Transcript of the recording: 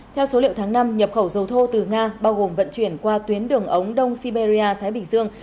theo số liệu tháng năm nhập khẩu dầu thô từ nga bao gồm vận chuyển qua tuyến đường ống đông siberia thái bình dương